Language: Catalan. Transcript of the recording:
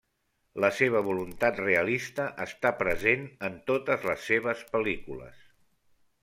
La seva voluntat realista està present en totes les seves pel·lícules.